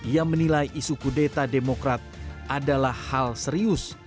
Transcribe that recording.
ia menilai isu kudeta demokrat adalah hal serius